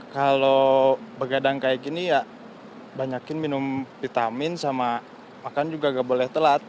kalau begadang kayak gini ya banyakin minum vitamin sama makan juga nggak boleh telat